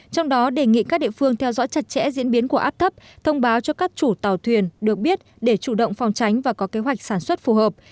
trong đó đề nghị các địa phương theo dõi chặt chẽ diễn biến của áp thấp thông báo cho các chủ tàu thuyền được biết để chủ động phòng tránh và có kế hoạch sản xuất phù hợp